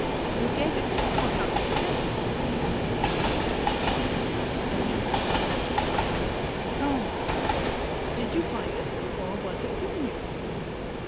"Who gave it you, or how did you get it?" he asked next. Aline was silent. "Come," he said, "did you find it, or was it given you?"